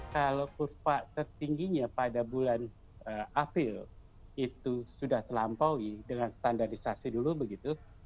kalau kurva tertingginya pada bulan april itu sudah terlampaui dengan standarisasi dulu begitu